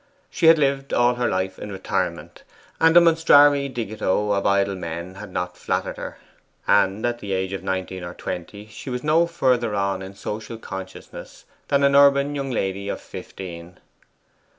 She had lived all her life in retirement the monstrari gigito of idle men had not flattered her, and at the age of nineteen or twenty she was no further on in social consciousness than an urban young lady of fifteen.